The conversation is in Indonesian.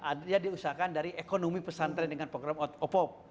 iya dia diusahakan dari ekonomi pesantren dengan program opop